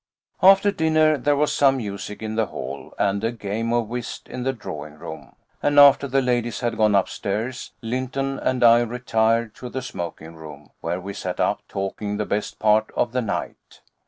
After dinner there was some music in the hall, and a game of whist in the drawing room, and after the ladies had gone upstairs, Lynton and I retired to the smoking room, where we sat up talking the best part of the night.